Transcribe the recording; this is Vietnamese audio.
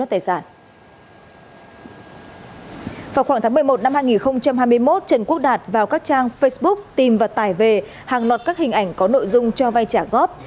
năm hai nghìn hai mươi một trần quốc đạt vào các trang facebook tìm và tải về hàng lọt các hình ảnh có nội dung cho vay trả góp